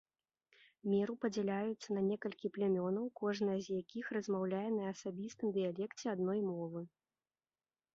Меру падзяляюцца на некалькі плямёнаў, кожнае з якіх размаўляе на асабістым дыялекце адной мовы.